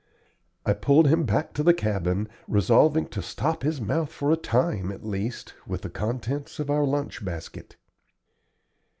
I pulled him back to the cabin, resolving to stop his mouth for a time at least with the contents of our lunch basket.